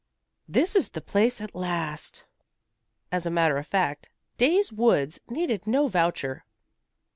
"This is the place at last." As a matter of fact, Day's Woods needed no voucher.